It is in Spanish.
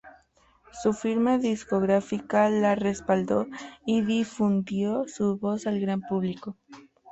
Su firma discográfica la respaldó y difundió su voz al gran público.